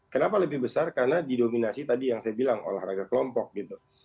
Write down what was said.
kenapa lebih besar karena didominasi tadi yang saya bilang olahraga kelompok gitu